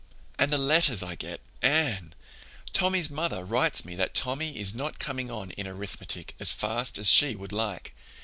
"And the letters I get, Anne! Tommy's mother writes me that Tommy is not coming on in arithmetic as fast as she would like.